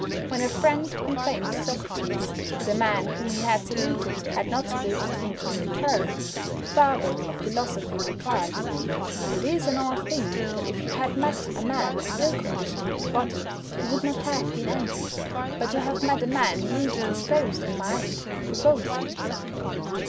When a friend complained to Socrates that a man whom he had saluted had not saluted him in return, the father of philosophy replied: "It is an odd thing that if you had met a man ill conditioned in body you would not have been angry; but to have met a man rudely disposed in mind provokes you."